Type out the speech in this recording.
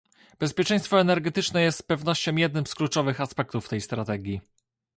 Bezpieczeństwo energetyczne jest z pewnością jednym z kluczowych aspektów tej strategii